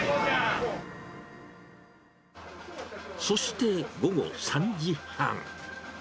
そして午後３時半。